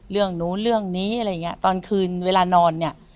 เรื่องนู้นเรื่องนี้อะไรอย่างเงี้ตอนคืนเวลานอนเนี่ย